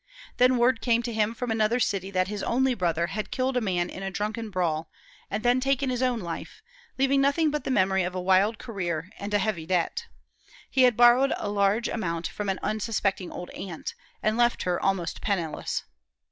Then word came to him from another city that his only brother had killed a man in a drunken brawl, and then taken his own life, leaving nothing but the memory of a wild career and a heavy debt. He had borrowed a large amount from an unsuspecting old aunt, and left her almost penniless.